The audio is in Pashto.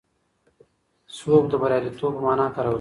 سوب د بریالیتوب په مانا کارول کېږي.